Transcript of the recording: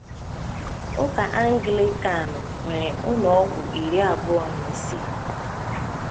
ụka Angịlịkan nwèrè ụlọọgwụ iri abụọ na isii